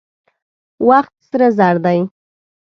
وخت سره زر دي.